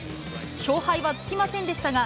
勝敗はつきませんでしたが、